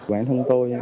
bản thân tôi